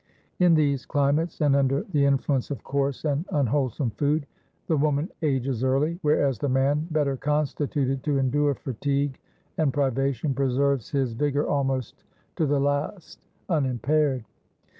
In these climates, and under the influence of coarse and unwholesome food, the woman ages early; whereas the man, better constituted to endure fatigue and privation, preserves his vigour almost to the last unimpaired.